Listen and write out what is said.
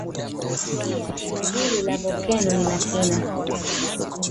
Pia shimo hili la volkeno lina kina